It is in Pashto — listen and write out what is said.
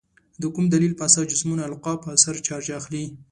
د کوم دلیل په اساس جسمونه القا په اثر چارج اخلي؟